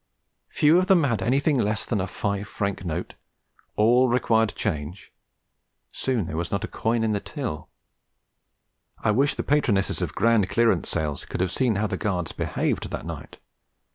Few of them had anything less than a five franc note; all required change; soon there was not a coin in the till. I wish the patronesses of Grand Clearance Sales could have seen how the Guards behaved that night.